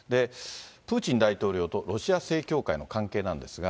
プーチン大統領とロシア正教会の関係なんですが。